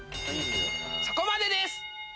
そこまでです。